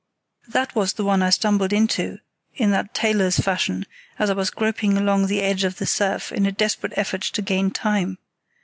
That was the one I stumbled into in that tailor's fashion, as I was groping along the edge of the surf in a desperate effort to gain time.